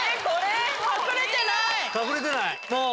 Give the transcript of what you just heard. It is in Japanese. ・隠れてない！